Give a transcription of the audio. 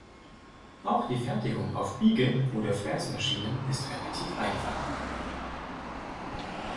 Auch die Fertigung auf Biege- oder Fräsmaschinen ist relativ einfach.